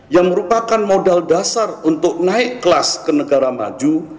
yang merupakan modal dasar untuk naik kelas ke negara maju